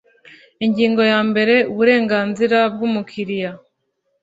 ingingo ya mbere uburenganzira bw umukiriya